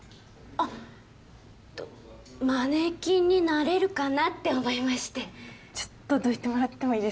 あっマネキンになれるかなって思いましてちょっとどいてもらってもいいですか？